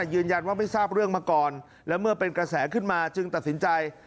ยืนยันว่าไม่ทราบเรื่องมาก่อนและเมื่อเป็นกระแสขึ้นมาจึงตัดสินใจ